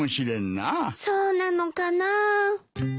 そうなのかなあ。